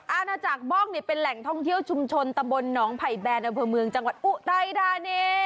อาณาจักรบ้องเป็นแหล่งท่องเที่ยวชุมชนตำบลหนองไผ่แบนอำเภอเมืองจังหวัดอุทัยธานี